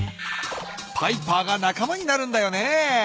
パイパーがなかまになるんだよねえ。